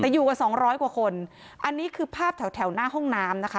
แต่อยู่กันสองร้อยกว่าคนอันนี้คือภาพแถวแถวหน้าห้องน้ำนะคะ